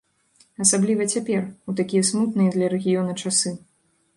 Асабліва цяпер, у такія смутныя для рэгіёна часы.